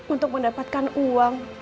untuk mendapatkan uang